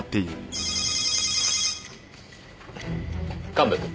神戸君。